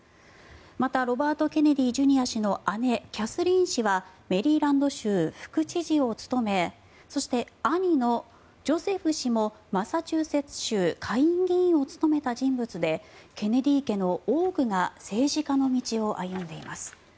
また、ロバート・ケネディ・ジュニア氏の姉キャスリーン氏はメリーランド州副知事を務めそして、兄のジョセフ氏もマサチューセッツ州下院議員を務めた人物でケネディ家の多くが政治家の道を歩んでいます。